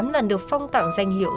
tám lần được phong tặng danh hiệu